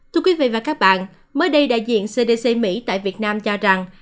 thưa quý vị và các bạn mới đây đại diện cdc mỹ tại việt nam cho rằng